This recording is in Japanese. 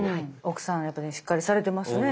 奥さんやっぱりしっかりされてますね。